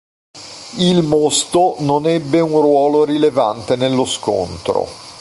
Il "Mosto" non ebbe un ruolo rilevante nello scontro.